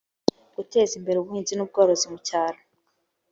guteza imbere ubuhinzi n ubworozi mu cyaro